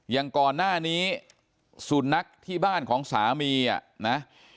อย่างก่อนหน้านี้สุนัขที่บ้านของสามีอ่ะนะ